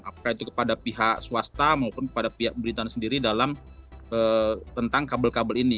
apakah itu kepada pihak swasta maupun kepada pihak pemerintahan sendiri dalam tentang kabel kabel ini